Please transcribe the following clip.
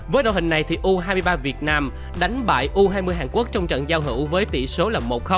với đội hình này thì u hai mươi ba việt nam đánh bại u hai mươi hàn quốc trong trận giao hữu với tỷ số là một